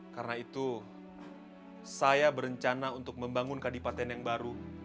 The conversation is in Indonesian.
karena itu saya berencana untuk membangun kadipaten yang baru